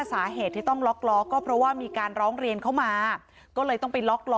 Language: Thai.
สาเหตุที่ต้องล็อกล้อก็เพราะว่ามีการร้องเรียนเข้ามาก็เลยต้องไปล็อกล้อ